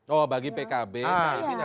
oh bagi pkb harga mati